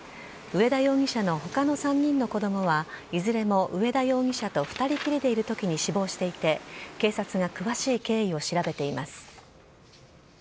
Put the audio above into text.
上田容疑者のほかの３人の子どもは、いずれも上田容疑者と２人きりでいるときに死亡していて、警察が詳しい経緯を調べています。